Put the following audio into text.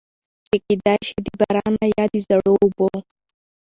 چې کېدے شي د بارانۀ يا د زړو اوبو